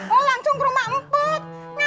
lo langsung ke rumah empuk